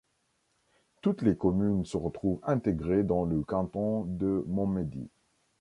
Toutes les communes se retrouvent intégrées dans le canton de Montmédy.